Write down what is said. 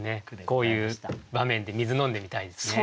こういう場面で水飲んでみたいですね。